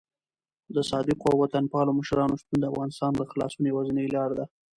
د صادقو او وطن پالو مشرانو شتون د افغانستان د خلاصون یوازینۍ لاره ده.